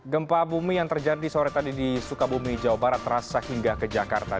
gempa bumi yang terjadi sore tadi di sukabumi jawa barat terasa hingga ke jakarta